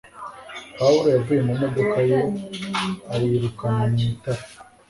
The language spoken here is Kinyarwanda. Pawulo yavuye mu modoka ye ayirukana mu itara